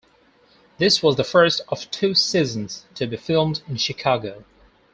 This was the first of two seasons to be filmed in Chicago.